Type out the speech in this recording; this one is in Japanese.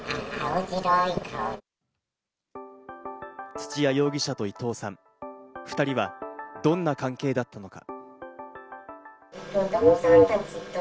土屋容疑者と伊藤さん、２人はどんな関係だったのか。